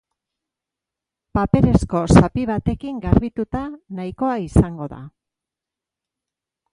Paperezko zapi batekin garbituta nahikoa izango da.